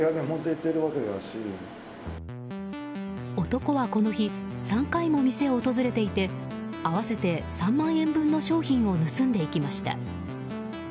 男はこの日３回も店を訪れていて合わせて３万円分の商品を盗んでいきました。